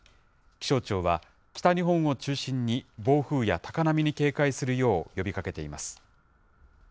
気象庁は、北日本を中心に暴風や高波に警戒するよう呼びかけています。